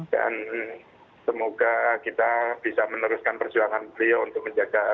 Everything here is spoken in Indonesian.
dan semoga kita bisa meneruskan persoalan beliau untuk menjaga